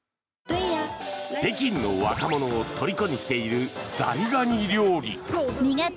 北京の若者をとりこにしているザリガニ料理。